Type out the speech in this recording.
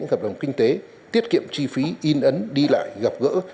hợp đồng kinh tế tiết kiệm chi phí in ấn đi lại gặp gỡ